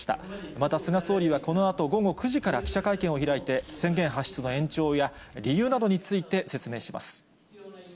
また菅総理はこのあと午後９時から記者会見を開いて、宣言発出の延長や理由などについて説明します。